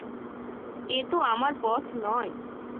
এ তো আমার পথ নয়!